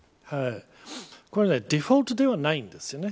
これは、デフォルトではないんですね。